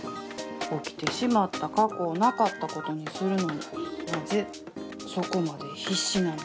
起きてしまった過去をなかったことにするのになぜそこまで必死なんでしょう。